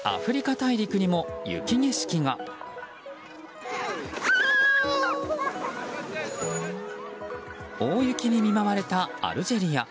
大雪に見舞われたアルジェリア。